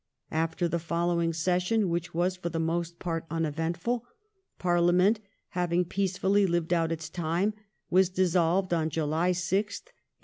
After the following session, which was for the most part uneventful, Parliament, having peacefully lived out its time^ was dissolved on July 6th, 1865.